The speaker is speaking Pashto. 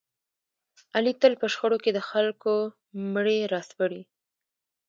علي تل په شخړو کې د خلکو مړي را سپړي.